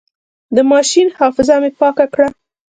د ماشين حافظه مې پاکه کړه.